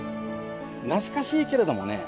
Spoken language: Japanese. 懐かしいけれどもね